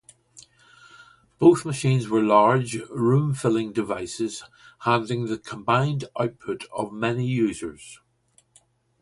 Both machines were large, room-filling devices handling the combined output of many users.